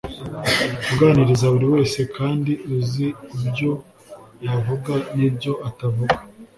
uganiriza buri wese kandi uzi ibyo yavuga n’ibyo atavuga